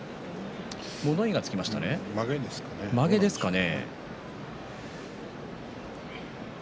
まげですかね？